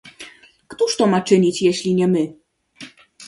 "Któż to ma czynić, jeśli nie my?"